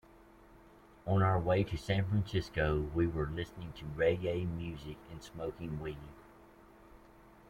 On our way to San Francisco, we were listening to reggae music and smoking weed.